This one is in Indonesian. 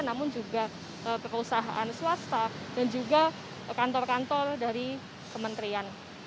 namun juga perusahaan swasta dan juga kantor kantor dari kementerian